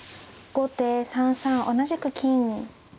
後手３三同じく金。